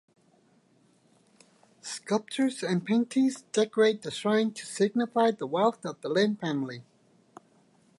Sculptures and paintings decorate the shrine to signify the wealth of the Lin family.